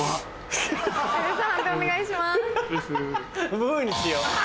「ブ」にしよう。